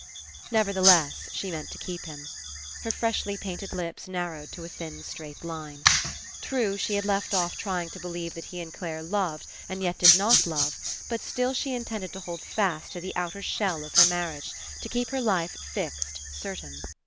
Nevertheless, she meant to keep him. Her freshly painted lips narrowed to a thin straight line. True, she had left off trying to believe that he and Clare loved and yet did not love, but she still intended to hold fast to the outer shell of her marriage, to keep her life fixed, certain.